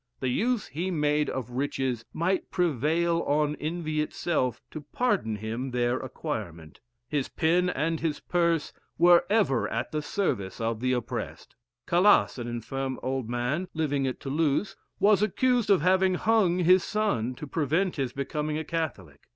The use he made of riches might prevail on envy itself to pardon him their acquirement. His pen and his purse were ever at the service of the oppressed. Calas, an infirm old man, living at Toulouse, was accused of having hung his son, to prevent his becoming a Catholic.